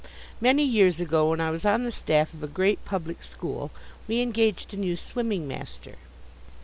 Many years ago when I was on the staff of a great public school, we engaged a new swimming master.